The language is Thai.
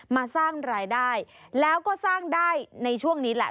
มาสร้างรายได้แล้วก็สร้างได้ในช่วงนี้แหละ